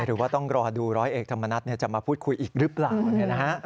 หรือว่าต้องรอดูร้อยเอกธรรมนัฐจะมาพูดคุยอีกหรือเปล่า